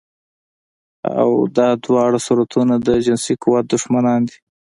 او دا دواړه صورتونه د جنسي قوت دښمنان دي